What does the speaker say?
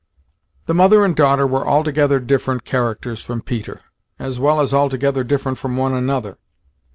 The mother and daughter were altogether different characters from Peter, as well as altogether different from one another.